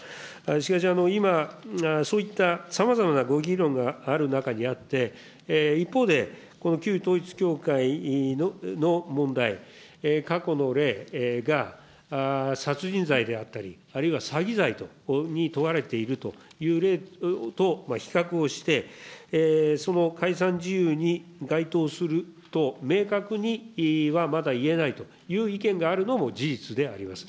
しかし、今、そういったさまざまなご議論がある中にあって、一方でこの旧統一教会の問題、過去の例が殺人罪であったり、あるいは詐欺罪に問われているという例と比較をして、その解散事由に該当すると明確にはまだ言えないという意見があるのも事実であります。